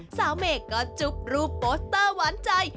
เมย์ก็จุ๊บรูปโปสเตอร์หวานใจ